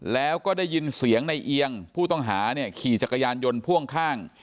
แล้วก็ได้ยินเสียงในเอียงผู้ต้องหาเนี่ยขี่จักรยานยนต์พ่วงข้าง